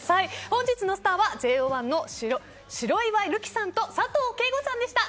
本日のスターはＪＯ１の白岩瑠姫さんと佐藤景瑚さんでした。